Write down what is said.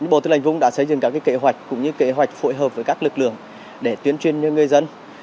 bộ tư lệnh vùng đã xây dựng các kế hoạch cũng như kế hoạch phối hợp với các lực lượng để tuyên truyền cho người dân